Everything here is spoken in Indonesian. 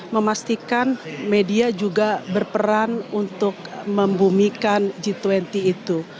memastikan media juga berperan untuk membumikan g dua puluh itu